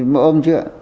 mẫu ôm chưa